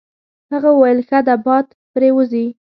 هغه وویل: ښه ده باد پرې وځي.